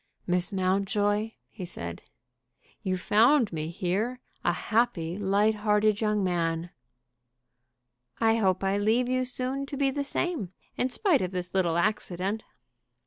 "Miss Mountjoy," he said, "you found me here a happy, light hearted young man." "I hope I leave you soon to be the same, in spite of this little accident."